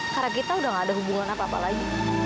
karena kita udah nggak ada hubungan apa apa lagi